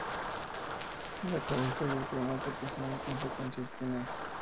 La cabeza y el pronoto poseen con frecuencia espinas.